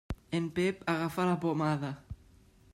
En Pep agafa la pomada.